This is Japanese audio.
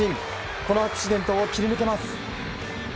このアクシデントを切り抜けます。